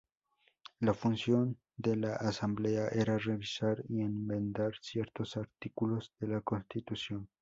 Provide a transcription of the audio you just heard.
La función de la Asamblea era revisar y enmendar ciertos artículos de la constitución.